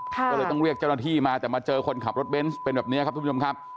ก็เลยต้องเรียกเจ้าหน้าที่มาแต่มาเจอคนขับรถเบนส์เป็นแบบนี้ครับทุกผู้ชมครับ